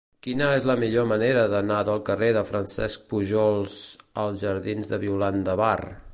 Quina és la millor manera d'anar del carrer de Francesc Pujols als jardins de Violant de Bar?